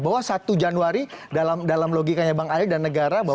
bahwa satu januari dalam logikanya bang ali dan negara bahwa